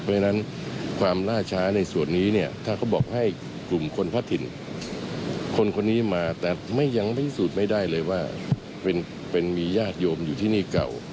เพราะฉะนั้นความล่าช้าในส่วนนี้เนี่ยถ้าเขาบอกให้กลุ่มคนพระถิ่นคนคนนี้มาแต่ยังพิสูจน์ไม่ได้เลยว่าเป็นมีญาติโยมอยู่ที่นี่เก่า